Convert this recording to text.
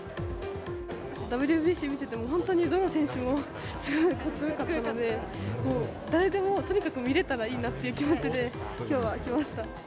ＷＢＣ見てても、本当にどの選手もすごいかっこよかったので、もう誰でも、とにかく見れたらいいなという気持ちで、きょうは来ました。